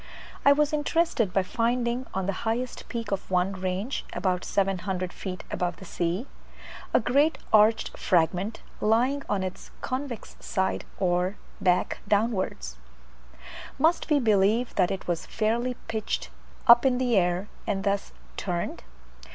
I was interested by finding on the highest peak of one range (about 700 feet above the sea) a great arched fragment, lying on its convex side, or back downwards. Must we believe that it was fairly pitched up in the air, and thus turned?